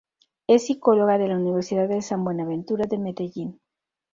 Es Psicóloga de la Universidad de San Buenaventura de Medellín.